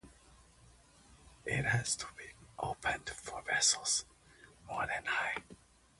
It has to be opened for vessels more than high.